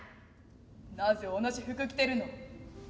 なぜ同じ服きてるの。